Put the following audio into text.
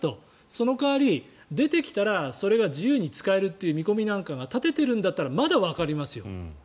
その代わり、出てきたらそれが自由に使えるという見込みなんかが立てているんだったらまだわかりますよ。